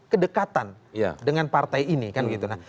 kedekatan dengan partai ini